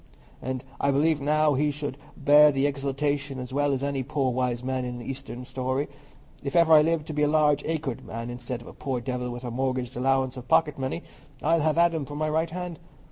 And I believe now he would bear the exaltation as well as any poor wise man in an Eastern story. If ever I live to be a large acred man instead of a poor devil with a mortgaged allowance of pocket money, I'll have Adam for my right hand.